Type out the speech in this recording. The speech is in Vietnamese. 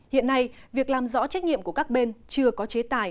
hiện nay việc làm rõ trách nhiệm của các bên chưa có chế tài